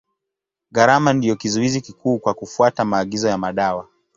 Gharama ndio kizuizi kikuu kwa kufuata maagizo ya madawa.